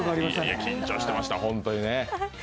緊張してました、本当にね。